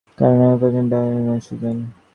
কারণ আমি পাছায় ডার্ট খেয়েছি, সুজ্যান!